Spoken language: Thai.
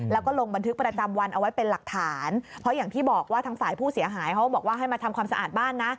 แล้วก็ลงบันทึกประจำวันเอาไว้เป็นหลักฐานเพราะอย่างที่บอกว่าทางฝ่ายผู้เสียหายเขาบอกว่าให้มาทำความสะอาดบ้านนะ